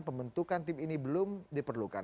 pembentukan tim ini belum diperlukan